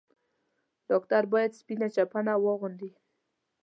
ډاکټر بايد سپينه چپنه واغوندي.